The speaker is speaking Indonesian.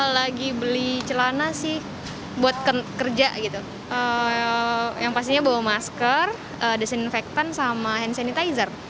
lagi beli celana sih buat kerja gitu yang pastinya bawa masker desinfektan sama hand sanitizer